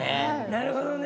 なるほどね。